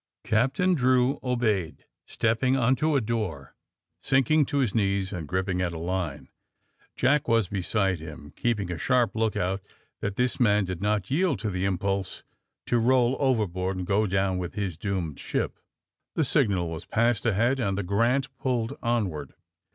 Captain Drew obeyed, stepping on to a door, sinking to his knees and gripping at a line. Jack was beside him, keeping a sharp lookout that this man did not yieM to the impnlse to roll overboard and go down with his doomed ship. The signal was passed ahead, and the ^^ Grant" pulled onward.